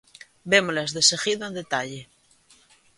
Vémolas deseguido en detalle.